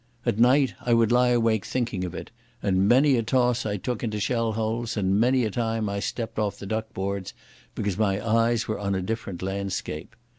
At night I would lie awake thinking of it, and many a toss I took into shell holes and many a time I stepped off the duckboards, because my eyes were on a different landscape.